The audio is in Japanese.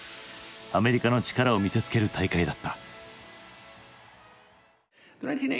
アメリカの力を見せつける大会だった。